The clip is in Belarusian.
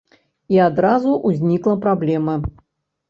І адразу ўзнікла праблема.